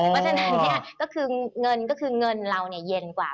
เพราะฉะนั้นเนี่ยก็คือเงินเราเนี่ยเย็นกว่า